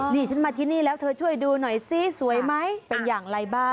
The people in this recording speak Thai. นี่ฉันมาที่นี่แล้วเธอช่วยดูหน่อยซิสวยไหมเป็นอย่างไรบ้าง